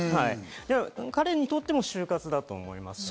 彼にとっても終活だと思いますし。